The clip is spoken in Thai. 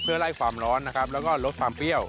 เพื่อไล่ความร้อนนะครับแล้วก็ลดความเปรี้ยว